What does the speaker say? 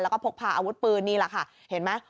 แล้วก็พกพาอาวุธปืนนี่แหละค่ะเห็นไหม